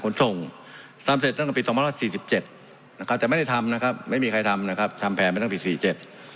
ครับแต่ไม่ได้ทำนะครับไม่มีใครทำนะครับทำแผนไปทั้งสิบสี่เจ็ด